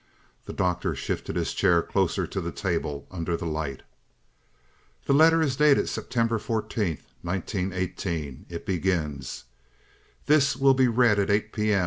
The Doctor shifted his chair closer to the table under the light. "The letter is dated September 14th, 1918. It begins: 'This will be read at 8 P. M.